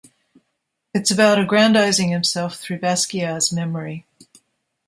It's about aggrandizing himself through Basquiat's memory.